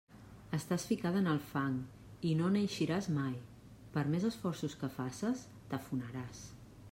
Estàs ficada en el fang i no n'eixiràs mai; per més esforços que faces, t'afonaràs.